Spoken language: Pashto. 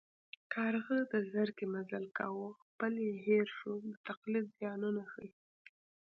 کارغه د زرکې مزل کاوه خپل یې هېر شو د تقلید زیانونه ښيي